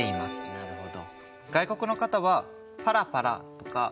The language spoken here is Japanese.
なるほど。